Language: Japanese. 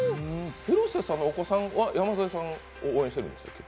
広末さんのお子さんは山添さんを応援してるんでしたっけ？